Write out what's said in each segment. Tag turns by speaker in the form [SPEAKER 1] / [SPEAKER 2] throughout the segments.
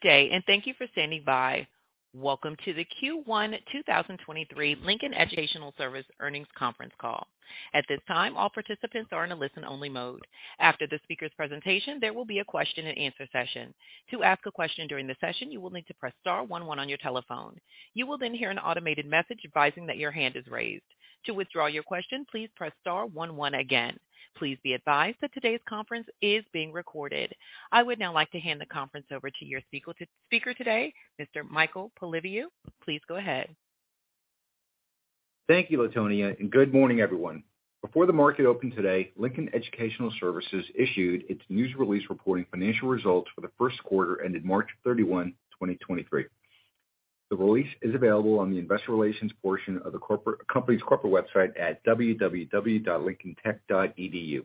[SPEAKER 1] Good day, and thank you for standing by. Welcome to the Q1 2023 Lincoln Educational Services earnings conference call. At this time, all participants are in a listen-only mode. After the speaker's presentation, there will be a question and answer session. To ask a question during the session, you will need to press star one one on your telephone. You will then hear an automated message advising that your hand is raised. To withdraw your question, please press star one one again. Please be advised that today's conference is being recorded. I would now like to hand the conference over to your speaker today, Mr. Michael Polyviou. Please go ahead.
[SPEAKER 2] Thank you, Latonia. Good morning, everyone. Before the market opened today, Lincoln Educational Services issued its news release reporting financial results for the first quarter ended March 31, 2023. The release is available on the Investor Relations portion of the company's corporate website at www.lincolntech.edu.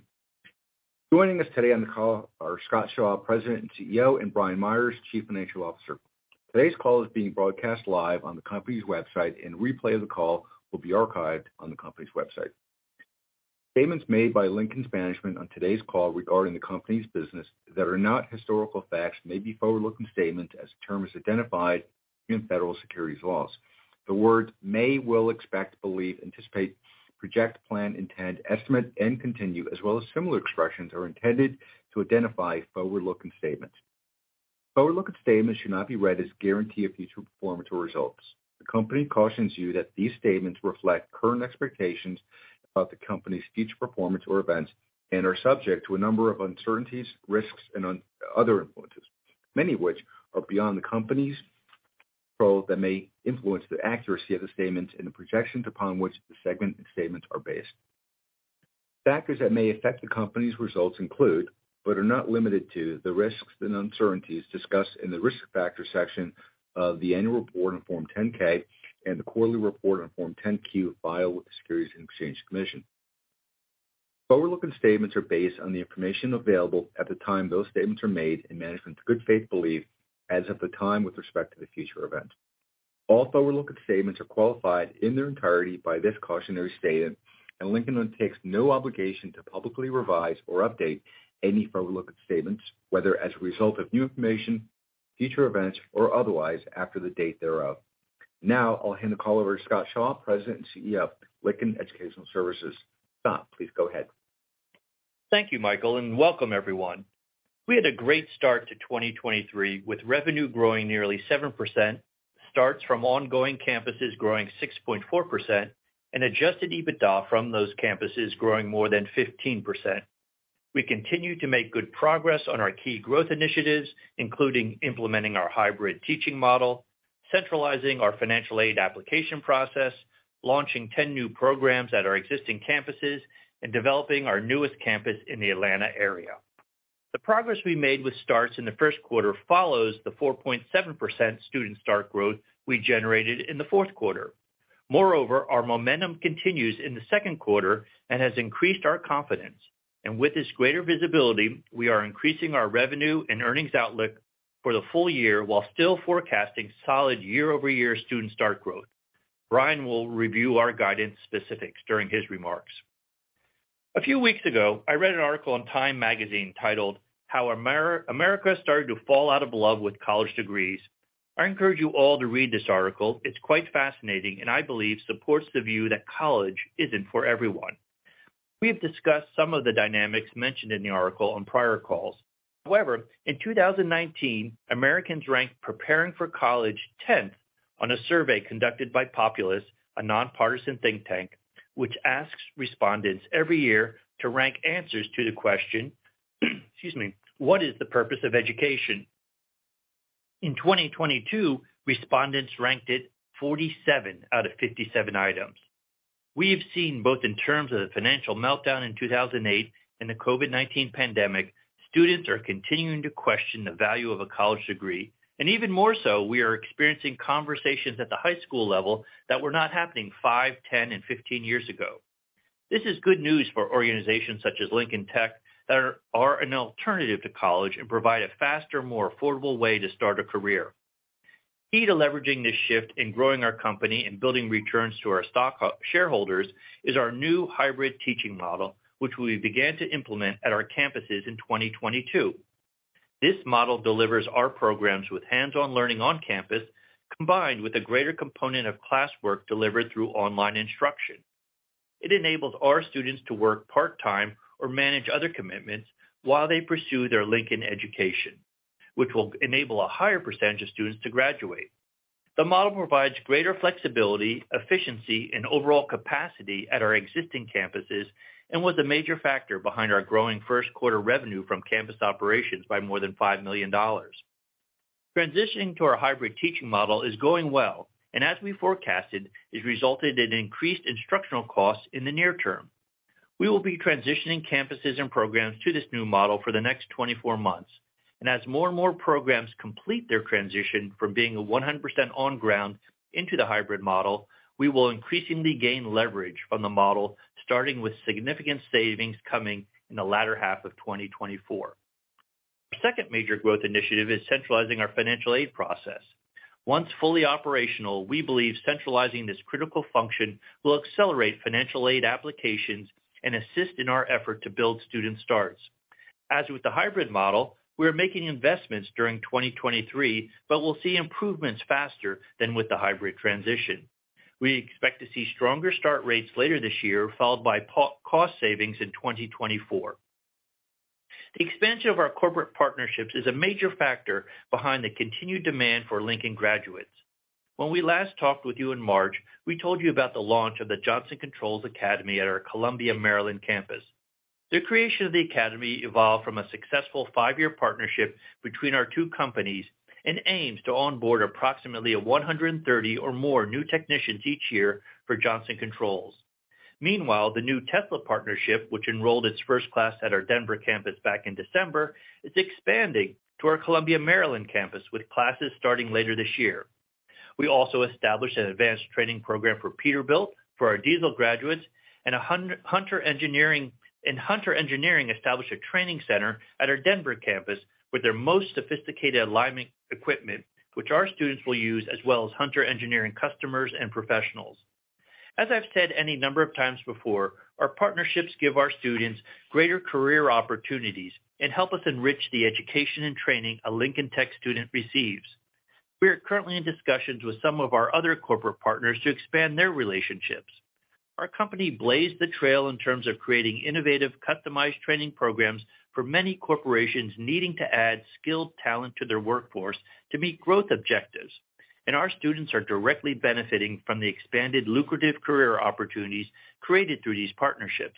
[SPEAKER 2] Joining us today on the call are Scott Shaw, President and CEO, and Brian Meyers, Chief Financial Officer. Today's call is being broadcast live on the company's website, and replay of the call will be archived on the company's website. Statements made by Lincoln's management on today's call regarding the company's business that are not historical facts may be forward-looking statements as terms identified in federal securities laws. The words may, will, expect, believe, anticipate, project, plan, intend, estimate, and continue, as well as similar expressions, are intended to identify forward-looking statements. Forward-looking statements should not be read as a guarantee of future performance or results. The company cautions you that these statements reflect current expectations about the company's future performance or events and are subject to a number of uncertainties, risks, and other influences, many which are beyond the company's control that may influence the accuracy of the statements and the projections upon which the segment and statements are based. Factors that may affect the company's results include, but are not limited to, the risks and uncertainties discussed in the Risk Factors section of the annual report on Form 10-K and the quarterly report on Form 10-Q filed with the Securities and Exchange Commission. Forward-looking statements are based on the information available at the time those statements are made and management's good faith belief as of the time with respect to the future event. All forward-looking statements are qualified in their entirety by this cautionary statement. Lincoln undertakes no obligation to publicly revise or update any forward-looking statements, whether as a result of new information, future events, or otherwise after the date thereof. Now I'll hand the call over to Scott Shaw, President and CEO of Lincoln Educational Services. Scott, please go ahead.
[SPEAKER 3] Thank you, Michael, and welcome everyone. We had a great start to 2023, with revenue growing nearly 7%, starts from ongoing campuses growing 6.4%, and Adjusted EBITDA from those campuses growing more than 15%. We continue to make good progress on our key growth initiatives, including implementing our hybrid teaching model, centralizing our financial aid application process, launching 10 new programs at our existing campuses, and developing our newest campus in the Atlanta area. The progress we made with starts in the first quarter follows the 4.7% student start growth we generated in the fourth quarter. Moreover, our momentum continues in the second quarter and has increased our confidence. With this greater visibility, we are increasing our revenue and earnings outlook for the full year while still forecasting solid year-over-year student start growth. Brian will review our guidance specifics during his remarks. A few weeks ago, I read an article in Time Magazine titled How America Started to Fall Out of Love with College Degrees. I encourage you all to read this article. It's quite fascinating and I believe supports the view that college isn't for everyone. We have discussed some of the dynamics mentioned in the article on prior calls. In 2019, Americans ranked preparing for college tenth on a survey conducted by Populace, a nonpartisan think tank, which asks respondents every year to rank answers to the question, excuse me, what is the purpose of education? In 2022, respondents ranked it 47 out of 57 items. We have seen, both in terms of the financial meltdown in 2008 and the COVID-19 pandemic, students are continuing to question the value of a college degree. Even more so, we are experiencing conversations at the high school level that were not happening five, 10, and 15 years ago. This is good news for organizations such as Lincoln Tech that are an alternative to college and provide a faster, more affordable way to start a career. Key to leveraging this shift in growing our company and building returns to our shareholders is our new hybrid teaching model, which we began to implement at our campuses in 2022. This model delivers our programs with hands-on learning on campus, combined with a greater component of classwork delivered through online instruction. It enables our students to work part-time or manage other commitments while they pursue their Lincoln education, which will enable a higher percentage of students to graduate. The model provides greater flexibility, efficiency, and overall capacity at our existing campuses and was a major factor behind our growing first quarter revenue from campus operations by more than $5 million. As we forecasted, transitioning to our hybrid teaching model is going well, and it resulted in increased instructional costs in the near term. We will be transitioning campuses and programs to this new model for the next 24 months. As more and more programs complete their transition from being 100% on ground into the hybrid model, we will increasingly gain leverage from the model, starting with significant savings coming in the latter half of 2024. Our second major growth initiative is centralizing our financial aid process. Once fully operational, we believe centralizing this critical function will accelerate financial aid applications and assist in our effort to build student starts. As with the hybrid model, we are making investments during 2023, but we'll see improvements faster than with the hybrid transition. We expect to see stronger start rates later this year, followed by cost savings in 2024. The expansion of our corporate partnerships is a major factor behind the continued demand for Lincoln graduates. When we last talked with you in March, we told you about the launch of the Johnson Controls Academy at our Columbia, Maryland campus. The creation of the academy evolved from a successful five-year partnership between our two companies and aims to onboard approximately 130 or more new technicians each year for Johnson Controls. The new Tesla partnership, which enrolled its first class at our Denver campus back in December, is expanding to our Columbia, Maryland campus, with classes starting later this year. We also established an advanced training program for Peterbilt for our diesel graduates. Hunter Engineering established a training center at our Denver campus with their most sophisticated alignment equipment, which our students will use as well as Hunter Engineering customers and professionals. As I've said any number of times before, our partnerships give our students greater career opportunities and help us enrich the education and training a Lincoln Tech student receives. We are currently in discussions with some of our other corporate partners to expand their relationships. Our company blazed the trail in terms of creating innovative, customized training programs for many corporations needing to add skilled talent to their workforce to meet growth objectives. Our students are directly benefiting from the expanded lucrative career opportunities created through these partnerships.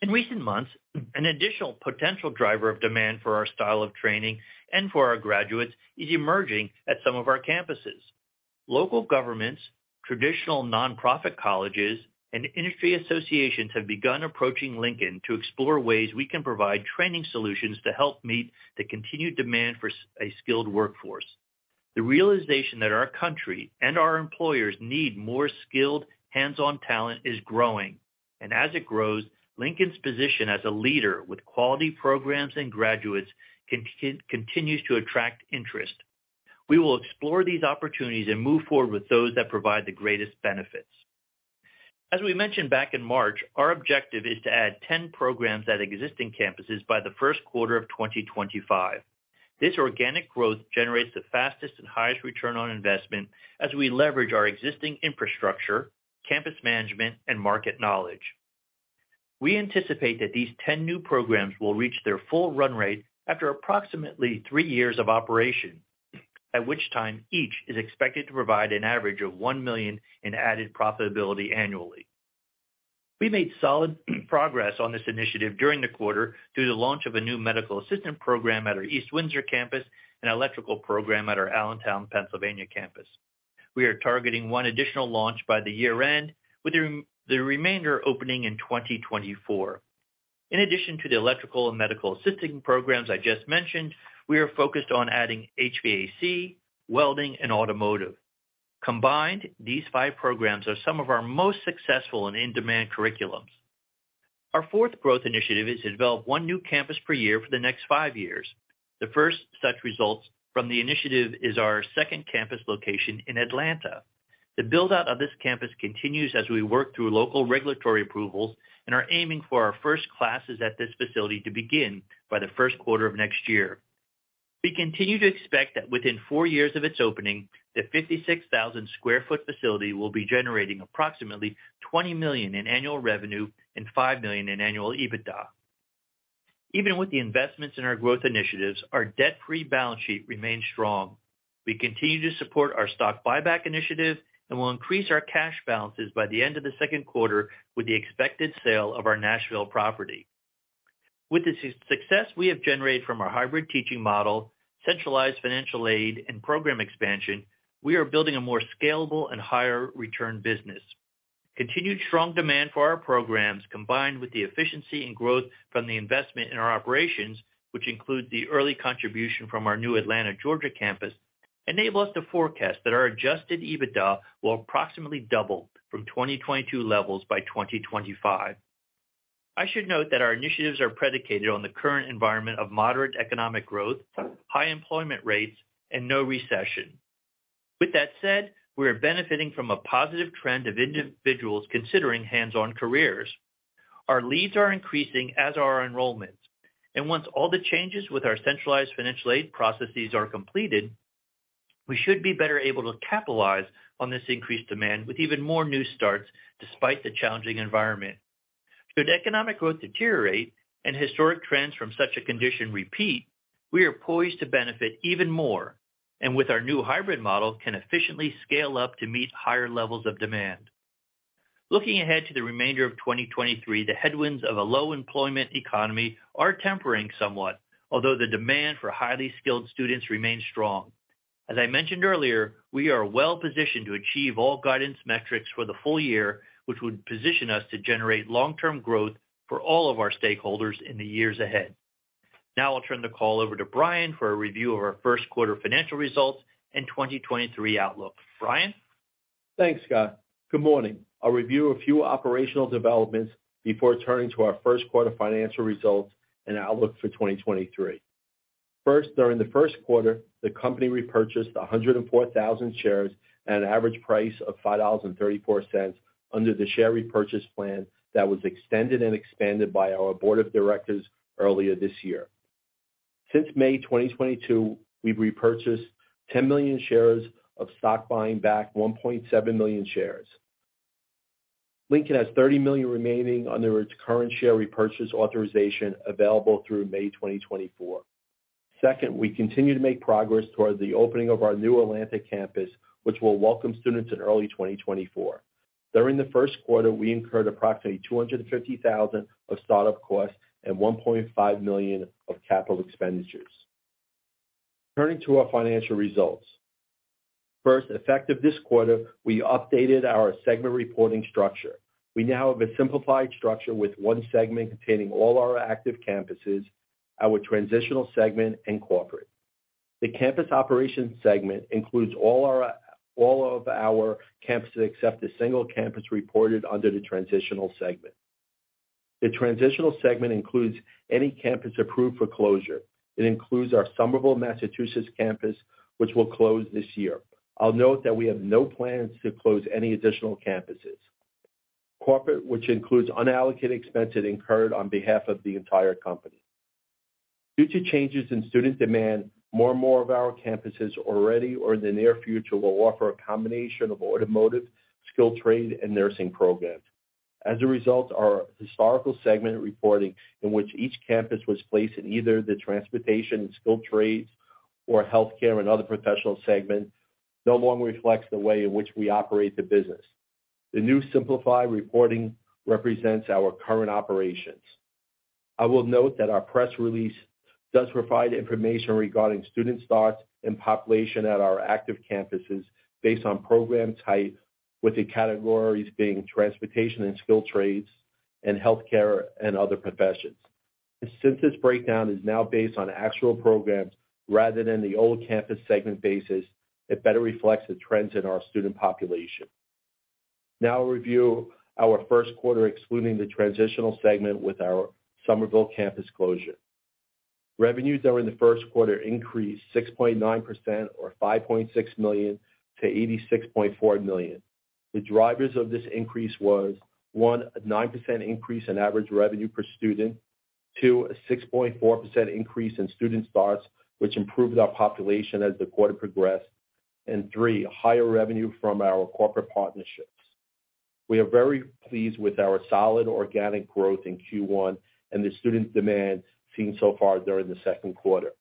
[SPEAKER 3] In recent months, an additional potential driver of demand for our style of training and for our graduates is emerging at some of our campuses. Local governments, traditional nonprofit colleges, and industry associations have begun approaching Lincoln to explore ways we can provide training solutions to help meet the continued demand for a skilled workforce. The realization that our country and our employers need more skilled hands-on talent is growing. As it grows, Lincoln's position as a leader with quality programs and graduates continues to attract interest. We will explore these opportunities and move forward with those that provide the greatest benefits. As we mentioned back in March, our objective is to add 10 programs at existing campuses by the first quarter of 2025. This organic growth generates the fastest and highest return on investment as we leverage our existing infrastructure, campus management, and market knowledge. We anticipate that these 10 new programs will reach their full run rate after approximately three years of operation, at which time each is expected to provide an average of $1 million in added profitability annually. We made solid progress on this initiative during the quarter through the launch of a new medical assistant program at our East Windsor campus and electrical program at our Allentown, Pennsylvania campus. We are targeting one additional launch by the year-end, with the remainder opening in 2024. In addition to the electrical and medical assisting programs I just mentioned, we are focused on adding HVAC, welding, and automotive. Combined, these five programs are some of our most successful and in-demand curriculums. Our fourth growth initiative is to develop one new campus per year for the next five years. The first such results from the initiative is our second campus location in Atlanta. The build-out of this campus continues as we work through local regulatory approvals and are aiming for our first classes at this facility to begin by the first quarter of next year. We continue to expect that within four years of its opening, the 56,000 sq ft facility will be generating approximately $20 million in annual revenue and $5 million in annual EBITDA. Even with the investments in our growth initiatives, our debt-free balance sheet remains strong. We continue to support our stock buyback initiative and will increase our cash balances by the end of the second quarter with the expected sale of our Nashville property. With the success we have generated from our hybrid teaching model, centralized financial aid, and program expansion, we are building a more scalable and higher return business. Continued strong demand for our programs, combined with the efficiency and growth from the investment in our operations, which include the early contribution from our new Atlanta, Georgia campus, enable us to forecast that our Adjusted EBITDA will approximately double from 2022 levels by 2025. I should note that our initiatives are predicated on the current environment of moderate economic growth, high employment rates, and no recession. We are benefiting from a positive trend of individuals considering hands-on careers. Our leads are increasing as are our enrollments, and once all the changes with our centralized financial aid processes are completed, we should be better able to capitalize on this increased demand with even more new starts despite the challenging environment. Should economic growth deteriorate and historic trends from such a condition repeat, we are poised to benefit even more, and with our new hybrid model, can efficiently scale up to meet higher levels of demand. Looking ahead to the remainder of 2023, the headwinds of a low employment economy are tempering somewhat, although the demand for highly skilled students remains strong. As I mentioned earlier, we are well-positioned to achieve all guidance metrics for the full year, which would position us to generate long-term growth for all of our stakeholders in the years ahead. I'll turn the call over to Brian for a review of our first quarter financial results and 2023 outlook. Brian?
[SPEAKER 4] Thanks, Scott. Good morning. I'll review a few operational developments before turning to our first quarter financial results and outlook for 2023. During the first quarter, the company repurchased 104,000 shares at an average price of $5.34 under the share repurchase plan that was extended and expanded by our board of directors earlier this year. Since May 2022, we've repurchased 10 million shares of stock, buying back 1.7 million shares. Lincoln has 30 million remaining under its current share repurchase authorization available through May 2024. We continue to make progress toward the opening of our new Atlanta campus, which will welcome students in early 2024. During the first quarter, we incurred approximately $250,000 of start-up costs and $1.5 million of capital expenditures. Turning to our financial results. First, effective this quarter, we updated our segment reporting structure. We now have a simplified structure with one segment containing all our active campuses, our transitional segment, and corporate. The campus operations segment includes all of our campuses, except a single campus reported under the transitional segment. The transitional segment includes any campus approved for closure. It includes our Somerville, Massachusetts campus, which will close this year. I'll note that we have no plans to close any additional campuses. Corporate, which includes unallocated expenses incurred on behalf of the entire company. Due to changes in student demand, more and more of our campuses already or in the near future will offer a combination of automotive, skilled trade, and nursing programs. As a result, our historical segment reporting, in which each campus was placed in either the transportation and skill trades or healthcare and other professional segment, no longer reflects the way in which we operate the business. The new simplified reporting represents our current operations. I will note that our press release does provide information regarding student starts and population at our active campuses based on program type, with the categories being transportation and skill trades, and healthcare and other professions. This breakdown is now based on actual programs rather than the old campus segment basis, it better reflects the trends in our student population. I'll review our first quarter, excluding the transitional segment with our Somerville campus closure. Revenues during the first quarter increased 6.9% or $5.6 million to $86.4 million. The drivers of this increase was, one, a 9% increase in average revenue per student. Two, a 6.4% increase in student starts, which improved our population as the quarter progressed, and three, higher revenue from our corporate partnerships. We are very pleased with our solid organic growth in Q1 and the student demand seen so far during the second quarter.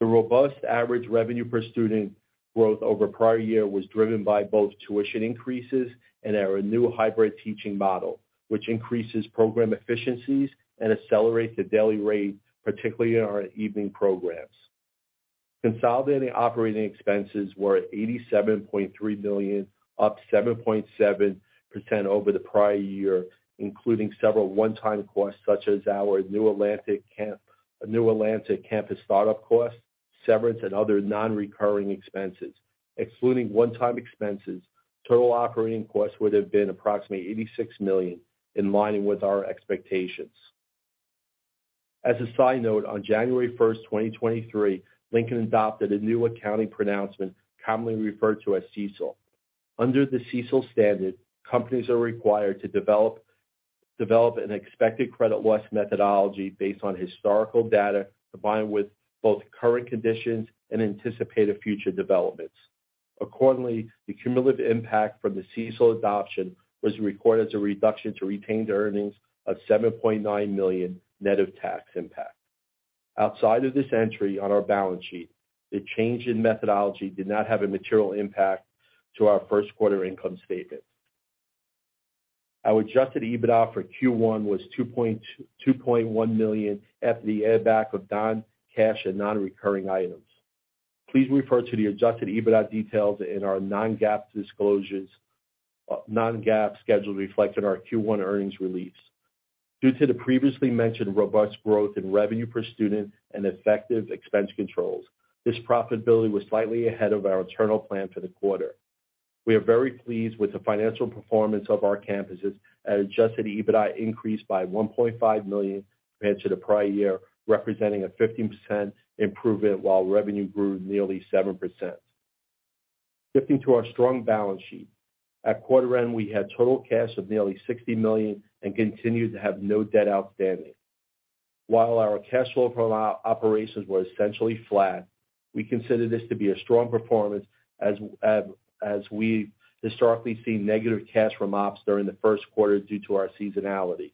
[SPEAKER 4] The robust average revenue per student growth over prior year was driven by both tuition increases and our new hybrid teaching model, which increases program efficiencies and accelerates the daily rate, particularly in our evening programs. Consolidating operating expenses were $87.3 million, up 7.7% over the prior year, including several one-time costs such as our new Atlanta campus start-up costs, severance and other non-recurring expenses. Excluding one-time expenses, total operating costs would have been approximately $86 million in line with our expectations. As a side note, on January 1st, 2023, Lincoln adopted a new accounting pronouncement commonly referred to as CECL. Under the CECL standard, companies are required to develop an expected credit loss methodology based on historical data combined with both current conditions and anticipated future developments. Accordingly, the cumulative impact from the CECL adoption was recorded as a reduction to retained earnings of $7.9 million net of tax impact. Outside of this entry on our balance sheet, the change in methodology did not have a material impact to our first quarter income statement. Our Adjusted EBITDA for Q1 was $2.1 million after the add back of non-cash and non-recurring items. Please refer to the Adjusted EBITDA details in our non-GAAP disclosures, non-GAAP schedule reflected in our Q1 earnings release. Due to the previously mentioned robust growth in revenue per student and effective expense controls, this profitability was slightly ahead of our internal plan for the quarter. We are very pleased with the financial performance of our campuses as Adjusted EBITDA increased by $1.5 million compared to the prior year, representing a 15% improvement while revenue grew nearly 7%. Shifting to our strong balance sheet. At quarter end, we had total cash of nearly $60 million and continued to have no debt outstanding. Our cash flow from our operations were essentially flat, we consider this to be a strong performance as we historically see negative cash from ops during the first quarter due to our seasonality.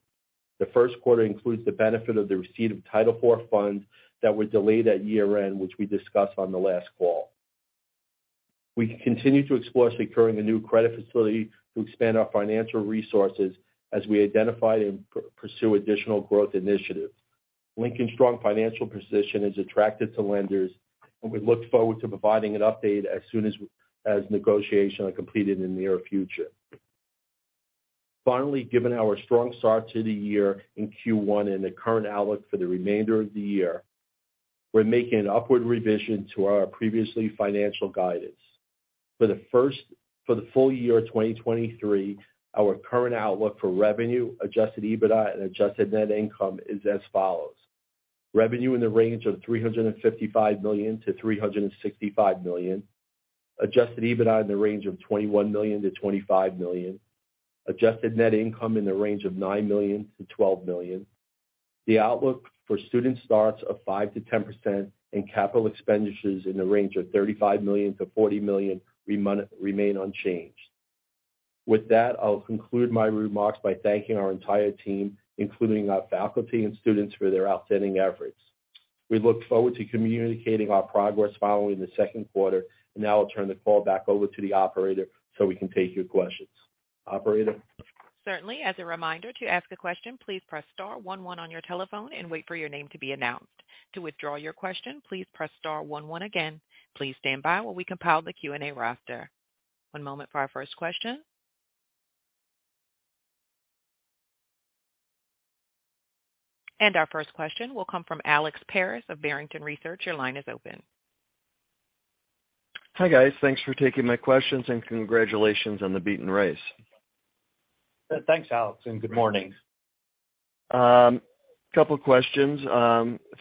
[SPEAKER 4] The first quarter includes the benefit of the receipt of Title IV funds that were delayed at year-end, which we discussed on the last call. We continue to explore securing a new credit facility to expand our financial resources as we identify and pursue additional growth initiatives. Lincoln's strong financial position is attractive to lenders, and we look forward to providing an update as soon as negotiations are completed in the near future. Finally, given our strong start to the year in Q1 and the current outlook for the remainder of the year, we're making an upward revision to our previously financial guidance. For the full year 2023, our current outlook for revenue, Adjusted EBITDA and adjusted net income is as follows: revenue in the range of $355 million-$365 million, Adjusted EBITDA in the range of $21 million-$25 million, adjusted net income in the range of $9 million-$12 million. The outlook for student starts of 5%-10% and capital expenditures in the range of $35 million-$40 million remain unchanged. With that, I'll conclude my remarks by thanking our entire team, including our faculty and students, for their outstanding efforts. We look forward to communicating our progress following the second quarter, and now I'll turn the call back over to the operator so we can take your questions. Operator?
[SPEAKER 1] Certainly. As a reminder, to ask a question, please press star one one on your telephone and wait for your name to be announced. To withdraw your question, please press star one one again. Please stand by while we compile the Q&A roster. One moment for our first question. Our first question will come from Alex Paris of Barrington Research. Your line is open.
[SPEAKER 5] Hi, guys. Thanks for taking my questions, congratulations on the beat and raise.
[SPEAKER 3] Thanks, Alex, and good morning.
[SPEAKER 5] Couple questions.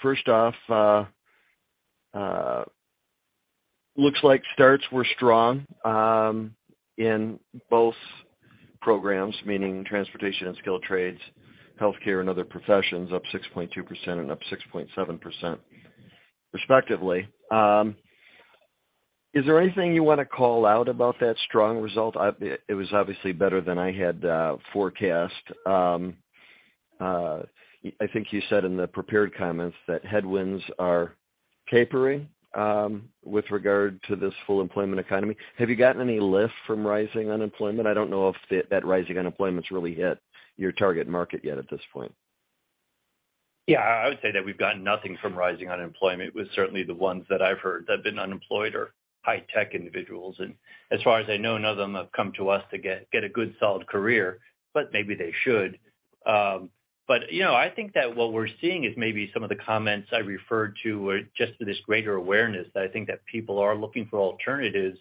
[SPEAKER 5] First off, looks like starts were strong in both programs, meaning transportation and skilled trades, healthcare and other professions, up 6.2% and up 6.7% respectively. Is there anything you wanna call out about that strong result? It was obviously better than I had forecast. I think you said in the prepared comments that headwinds are tapering with regard to this full employment economy. Have you gotten any lift from rising unemployment? I don't know if that rising unemployment's really hit your target market yet at this point.
[SPEAKER 3] I would say that we've gotten nothing from rising unemployment. With certainly the ones that I've heard that have been unemployed are high-tech individuals. As far as I know, none of them have come to us to get a good, solid career, but maybe they should. you know, I think that what we're seeing is maybe some of the comments I referred to were just to this greater awareness that I think that people are looking for alternatives.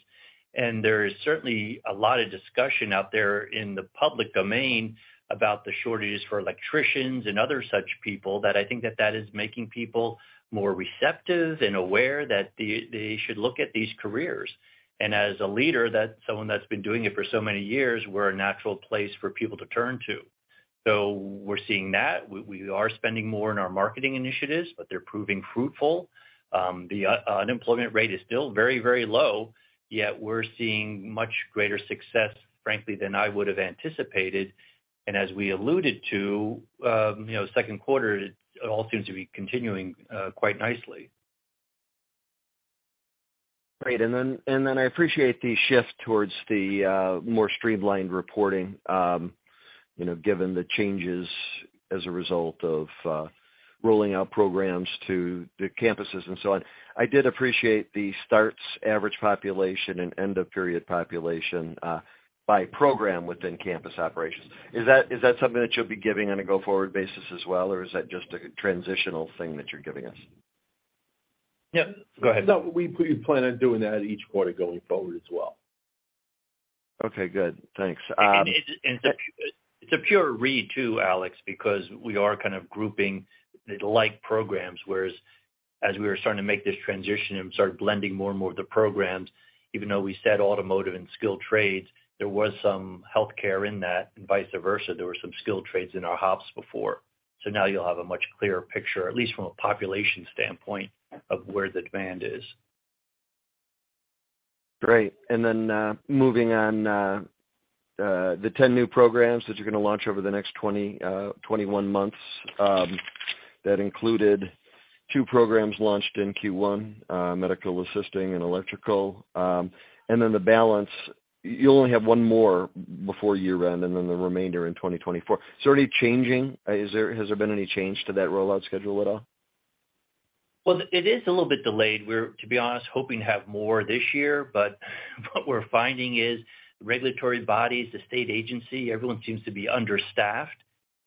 [SPEAKER 3] There is certainly a lot of discussion out there in the public domain about the shortages for electricians and other such people that I think that that is making people more receptive and aware that they should look at these careers. As a leader, that someone that's been doing it for so many years, we're a natural place for people to turn to. We're seeing that. We are spending more in our marketing initiatives, but they're proving fruitful. The unemployment rate is still very, very low, yet we're seeing much greater success, frankly, than I would have anticipated. As we alluded to, you know, second quarter, it all seems to be continuing, quite nicely.
[SPEAKER 5] Great. Then I appreciate the shift towards the more streamlined reporting, you know, given the changes as a result of rolling out programs to the campuses and so on. I did appreciate the starts, average population, and end of period population by program within campus operations. Is that something that you'll be giving on a go-forward basis as well, or is that just a transitional thing that you're giving us?
[SPEAKER 3] Yeah. Go ahead. No, we plan on doing that each quarter going forward as well.
[SPEAKER 5] Okay, good. Thanks.
[SPEAKER 3] It's a pure read too, Alex, because we are kind of grouping the like programs, whereas as we were starting to make this transition and started blending more and more of the programs, even though we said automotive and skilled trades, there was some healthcare in that and vice versa. There were some skilled trades in our shops before. Now you'll have a much clearer picture, at least from a population standpoint, of where the demand is.
[SPEAKER 5] Great. Then, moving on, the 10 new programs that you're gonna launch over the next 21 months, that included two programs launched in Q1, medical assisting and electrical, and then the balance, you'll only have one more before year-end and then the remainder in 2024. Is there any changing? Has there been any change to that rollout schedule at all?
[SPEAKER 3] It is a little bit delayed. We're, to be honest, hoping to have more this year, but what we're finding is regulatory bodies, the state agency, everyone seems to be understaffed,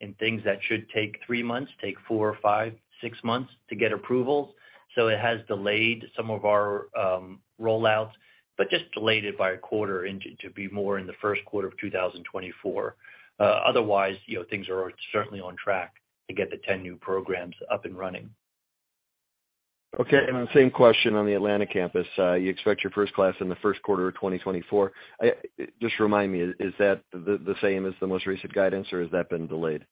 [SPEAKER 3] and things that should take three months take four or five, six months to get approvals. It has delayed some of our rollouts, but just delayed it by a quarter and to be more in the first quarter of 2024. Otherwise, you know, things are certainly on track to get the 10 new programs up and running.
[SPEAKER 5] Okay. Same question on the Atlanta campus. You expect your first class in the first quarter of 2024. Just remind me, is that the same as the most recent guidance, or has that been delayed?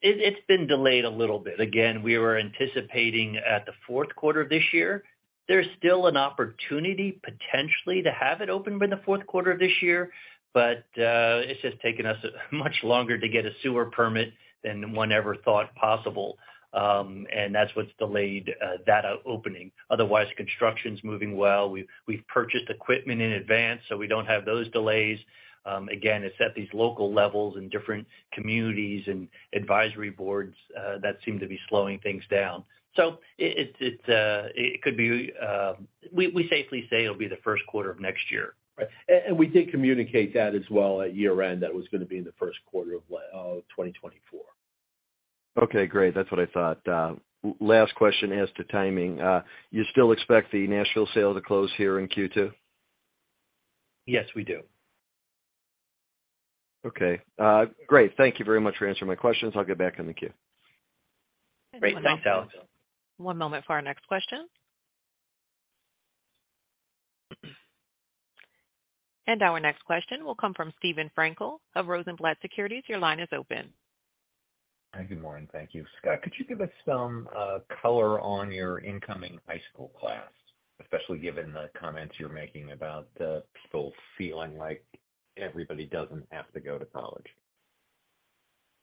[SPEAKER 3] It's been delayed a little bit. Again, we were anticipating at the fourth quarter of this year. There's still an opportunity potentially to have it open by the fourth quarter of this year. It's just taken us much longer to get a sewer permit than one ever thought possible, and that's what's delayed that opening. Otherwise, construction's moving well. We've purchased equipment in advance, so we don't have those delays. Again, it's at these local levels in different communities and advisory boards that seem to be slowing things down. It's it could be. We safely say it'll be the first quarter of next year. Right. We did communicate that as well at year-end, that was gonna be in the first quarter of 2024.
[SPEAKER 5] Okay, great. That's what I thought. Last question, as to timing, you still expect the Nashville sale to close here in Q2?
[SPEAKER 3] Yes, we do.
[SPEAKER 5] Okay. Great. Thank you very much for answering my questions. I'll get back in the queue.
[SPEAKER 3] Great. Thanks, Alex.
[SPEAKER 1] One moment for our next question. Our next question will come from Steven Frankel of Rosenblatt Securities. Your line is open.
[SPEAKER 6] Hi, good morning. Thank you. Scott, could you give us some color on your incoming high school class, especially given the comments you're making about people feeling like everybody doesn't have to go to college?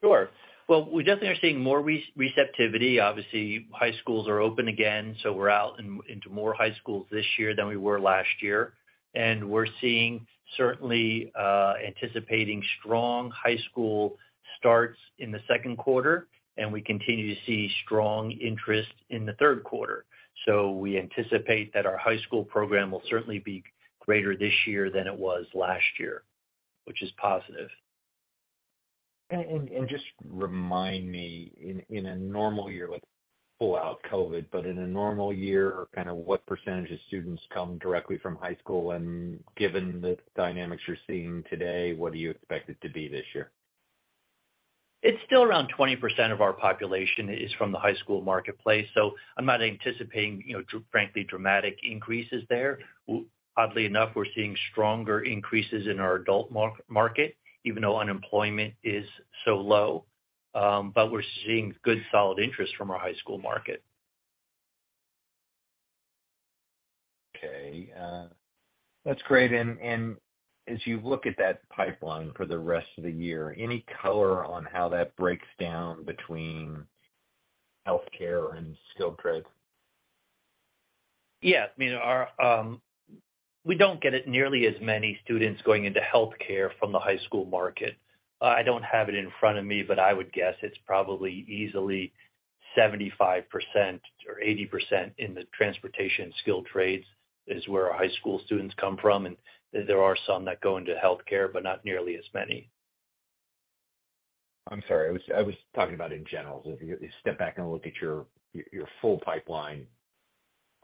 [SPEAKER 3] Sure. Well, we definitely are seeing more receptivity. Obviously, high schools are open again, so we're out into more high schools this year than we were last year. We're seeing certainly anticipating strong high school starts in the second quarter, and we continue to see strong interest in the third quarter. We anticipate that our high school program will certainly be greater this year than it was last year, which is positive.
[SPEAKER 6] Just remind me, in a normal year, like, full-out COVID, but in a normal year, kind of what % of students come directly from high school? Given the dynamics you're seeing today, what do you expect it to be this year?
[SPEAKER 3] It's still around 20% of our population is from the high school marketplace, so I'm not anticipating, you know, frankly, dramatic increases there. Oddly enough, we're seeing stronger increases in our adult market, even though unemployment is so low. We're seeing good, solid interest from our high school market.
[SPEAKER 6] Okay. That's great. As you look at that pipeline for the rest of the year, any color on how that breaks down between healthcare and skilled trade?
[SPEAKER 3] Yeah. I mean, We don't get it nearly as many students going into healthcare from the high school market. I don't have it in front of me, but I would guess it's probably easily 75% or 80% in the transportation skilled trades is where our high school students come from. There are some that go into healthcare, but not nearly as many.
[SPEAKER 6] I'm sorry. I was talking about in general. If you step back and look at your full pipeline.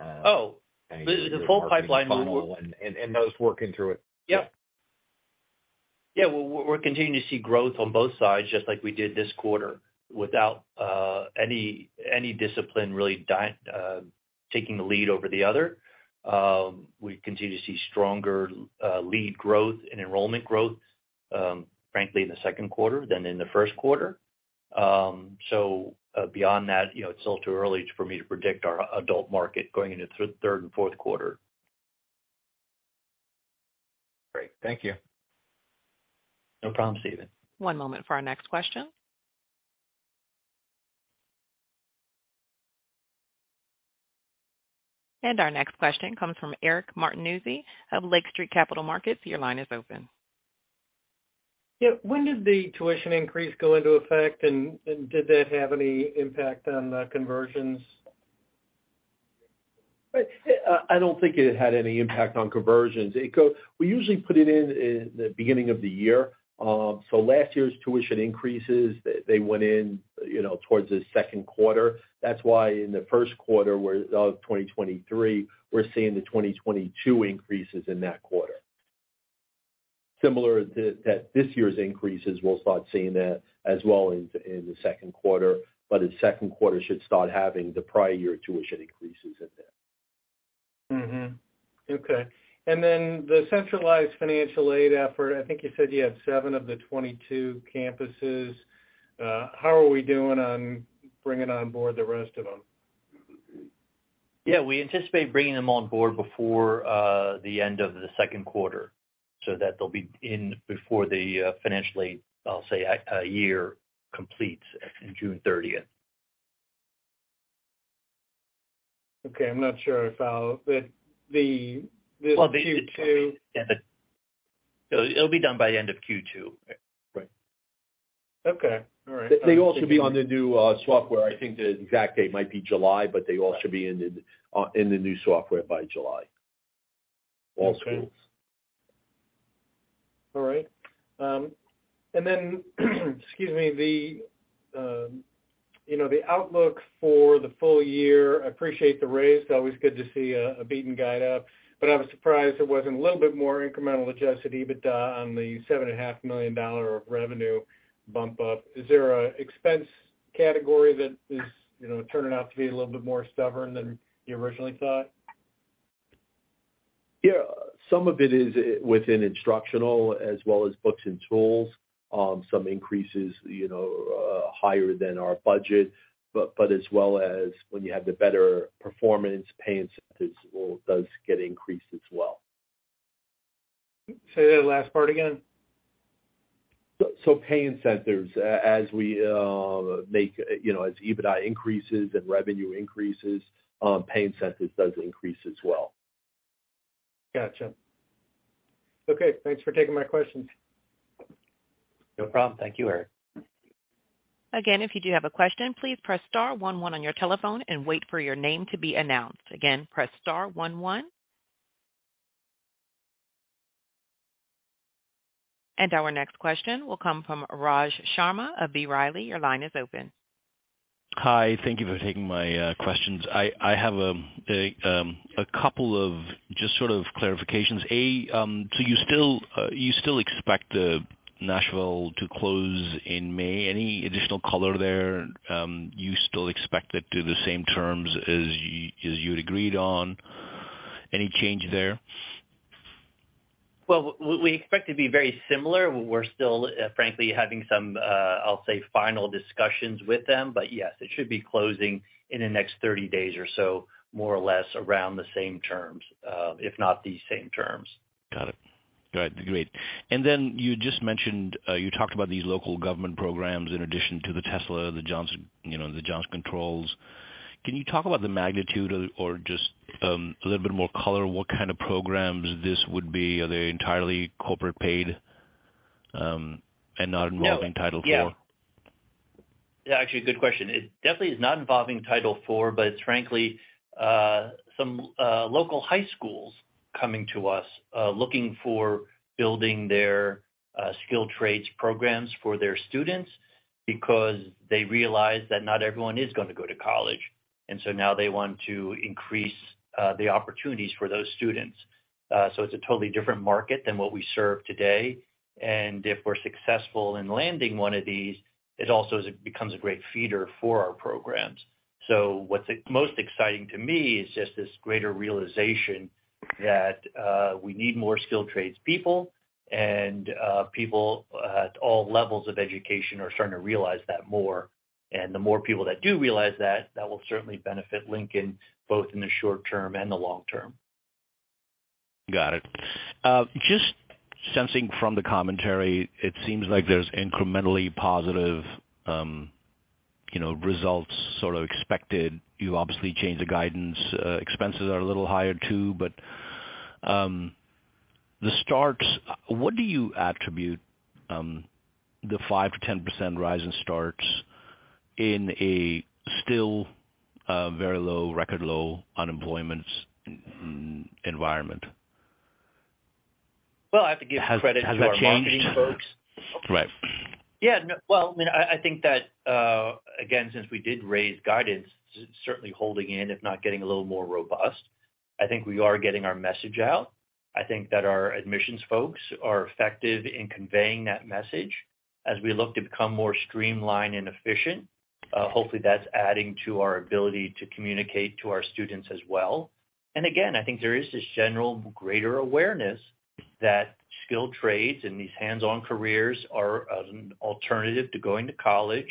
[SPEAKER 3] Oh.
[SPEAKER 6] Your marketing funnel and those working through it.
[SPEAKER 3] Yep. Yeah, we're continuing to see growth on both sides, just like we did this quarter, without any discipline really taking the lead over the other. We continue to see stronger lead growth and enrollment growth, frankly, in the second quarter than in the first quarter. Beyond that, you know, it's still too early for me to predict our adult market going into third and fourth quarter.
[SPEAKER 6] Great. Thank you.
[SPEAKER 3] No problem, Steven.
[SPEAKER 1] One moment for our next question. Our next question comes from Eric Martinuzzi of Lake Street Capital Markets. Your line is open.
[SPEAKER 7] Yeah. When did the tuition increase go into effect? Did that have any impact on the conversions?
[SPEAKER 4] I don't think it had any impact on conversions. We usually put it in the beginning of the year. Last year's tuition increases, they went in, you know, towards the second quarter. That's why in the first quarter of 2023, we're seeing the 2022 increases in that quarter. Similar that this year's increases, we'll start seeing that as well in the second quarter, but the second quarter should start having the prior year tuition increases in there.
[SPEAKER 7] Mm-hmm. Okay. The centralized financial aid effort, I think you said you had seven of the 22 campuses. How are we doing on bringing on board the rest of them?
[SPEAKER 3] Yeah, we anticipate bringing them on board before the end of the second quarter, so that they'll be in before the financial aid, I'll say, a year completes, June 30th.
[SPEAKER 7] Okay, I'm not sure if I'll... But the Q2.
[SPEAKER 3] Yeah. It'll be done by end of Q2.
[SPEAKER 7] Right. Okay. All right.
[SPEAKER 4] They all should be on the new software. I think the exact date might be July. They all should be in the new software by July. All schools.
[SPEAKER 7] All right. Then, excuse me. The, you know, the outlook for the full year, I appreciate the raise. It's always good to see a beaten guide up, but I was surprised it wasn't a little bit more incremental Adjusted EBITDA on the seven and a half million dollar of revenue bump up. Is there a expense category that is, you know, turning out to be a little bit more stubborn than you originally thought?
[SPEAKER 4] Yeah. Some of it is within instructional as well as books and tools. Some increases, you know, higher than our budget, but as well as when you have the better performance, pay incentives does get increased as well.
[SPEAKER 7] Say that last part again.
[SPEAKER 4] Pay incentives, as we make, you know, as EBITDA increases and revenue increases, pay incentives does increase as well.
[SPEAKER 7] Gotcha. Okay. Thanks for taking my questions.
[SPEAKER 3] No problem. Thank you, Eric.
[SPEAKER 1] Again, if you do have a question, please press star one one on your telephone and wait for your name to be announced. Again, press star one one. Our next question will come from Raj Sharma of B. Riley. Your line is open.
[SPEAKER 8] Hi. Thank you for taking my questions. I have a couple of just sort of clarifications. You still expect the Nashville to close in May? Any additional color there? You still expect it to the same terms as you'd agreed on? Any change there?
[SPEAKER 3] Well, we expect it to be very similar. We're still, frankly having some, I'll say final discussions with them. Yes, it should be closing in the next 30 days or so, more or less around the same terms, if not the same terms.
[SPEAKER 8] Got it. All right. Great. Then you just mentioned, you talked about these local government programs in addition to the Tesla, the Johnson, you know, the Johnson Controls. Can you talk about the magnitude or just a little bit more color, what kind of programs this would be? Are they entirely corporate paid involving Title IV?
[SPEAKER 3] Yeah. Yeah, actually, a good question. It definitely is not involving Title IV, but it's frankly, some local high schools coming to us, looking for building their skilled trades programs for their students because they realize that not everyone is gonna go to college. Now they want to increase the opportunities for those students. So it's a totally different market than what we serve today. If we're successful in landing one of these, it also becomes a great feeder for our programs. So what's most exciting to me is just this greater realization that we need more skilled tradespeople, and people at all levels of education are starting to realize that more. The more people that do realize that will certainly benefit Lincoln, both in the short term and the long term.
[SPEAKER 8] Got it. Just sensing from the commentary, it seems like there's incrementally positive, you know, results sort of expected. You obviously changed the guidance. Expenses are a little higher too, but, the starts, what do you attribute the 5%-10% rise in starts in a still very low, record low unemployment environment?
[SPEAKER 3] Well, I have to give credit-
[SPEAKER 8] Has that changed?
[SPEAKER 3] to our marketing folks.
[SPEAKER 8] Right.
[SPEAKER 3] Yeah, no. Well, I mean, I think that, again, since we did raise guidance, certainly holding in, if not getting a little more robust, I think we are getting our message out. I think that our admissions folks are effective in conveying that message as we look to become more streamlined and efficient. Hopefully, that's adding to our ability to communicate to our students as well. Again, I think there is this general greater awareness that skilled trades and these hands-on careers are an alternative to going to college.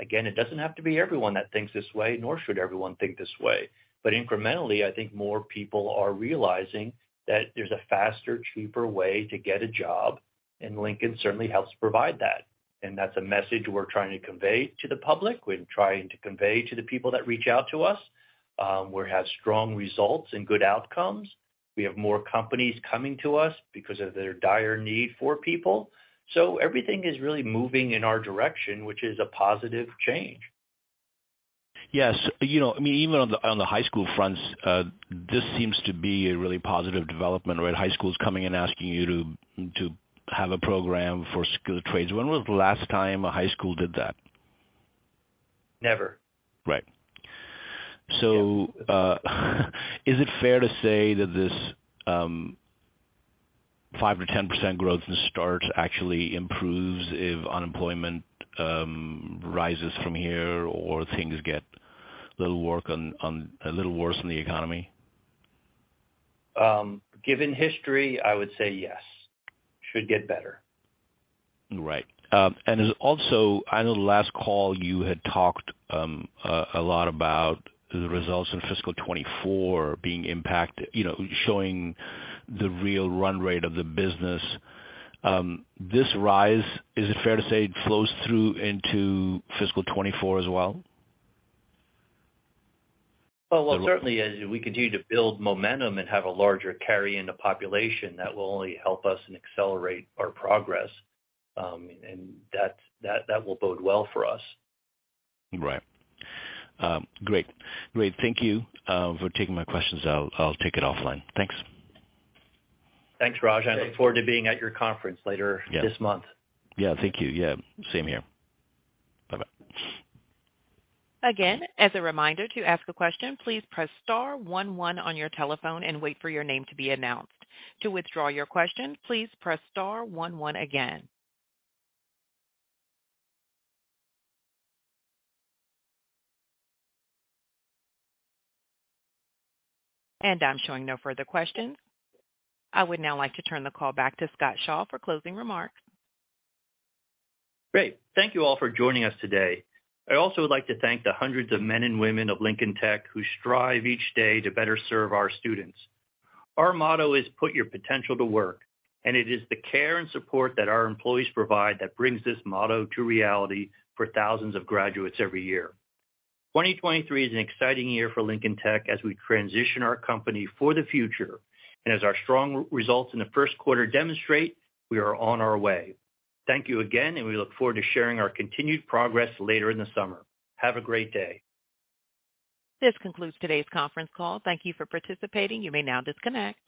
[SPEAKER 3] Again, it doesn't have to be everyone that thinks this way, nor should everyone think this way. Incrementally, I think more people are realizing that there's a faster, cheaper way to get a job, and Lincoln certainly helps provide that. That's a message we're trying to convey to the public. We're trying to convey to the people that reach out to us. We have strong results and good outcomes. We have more companies coming to us because of their dire need for people. Everything is really moving in our direction, which is a positive change.
[SPEAKER 8] Yes. You know, I mean, even on the, on the high school fronts, this seems to be a really positive development, right? High schools coming and asking you to have a program for skilled trades. When was the last time a high school did that?
[SPEAKER 3] Never.
[SPEAKER 8] Right.
[SPEAKER 3] Yeah.
[SPEAKER 8] Is it fair to say that this 5%-10% growth in start actually improves if unemployment rises from here or things get a little worse in the economy?
[SPEAKER 3] Given history, I would say yes. Should get better.
[SPEAKER 8] Right. Also on the last call, you had talked a lot about the results in fiscal 2024 being impacted, you know, showing the real run rate of the business. This rise, is it fair to say it flows through into fiscal 2024 as well?
[SPEAKER 3] Well, certainly as we continue to build momentum and have a larger carry in the population, that will only help us and accelerate our progress. That will bode well for us.
[SPEAKER 8] Right. great. Great. Thank you, for taking my questions. I'll take it offline. Thanks.
[SPEAKER 3] Thanks, Raj. I look forward to being at your conference later.this month.
[SPEAKER 8] Yeah. Thank you. Yeah, same here. Bye-bye.
[SPEAKER 1] Again, as a reminder, to ask a question, please press star one one on your telephone and wait for your name to be announced. To withdraw your question, please press star one one again. I'm showing no further questions. I would now like to turn the call back to Scott Shaw for closing remarks.
[SPEAKER 3] Great. Thank you all for joining us today. I also would like to thank the hundreds of men and women of Lincoln Tech who strive each day to better serve our students. Our motto is, put your potential to work, and it is the care and support that our employees provide that brings this motto to reality for thousands of graduates every year. 2023 is an exciting year for Lincoln Tech as we transition our company for the future. As our strong results in the first quarter demonstrate, we are on our way. Thank you again. We look forward to sharing our continued progress later in the summer. Have a great day.
[SPEAKER 1] This concludes today's conference call. Thank you for participating. You may now disconnect.